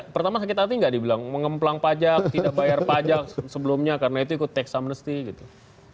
pertama sakit hati nggak dibilang mengemplang pajak tidak bayar pajak sebelumnya karena itu ikut tax amnesty gitu